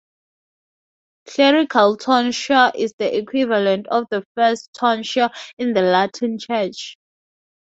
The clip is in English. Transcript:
Clerical tonsure is the equivalent of the "first tonsure" in the Latin church.